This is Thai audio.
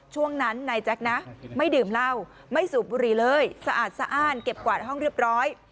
ช่วงนั้นนายแจ๊คนะไม่ดื่มเหล้าไม่สูบบุหรี่เลยสะอาดสะอ้านเก็บกวาดห้องเรียบร้อย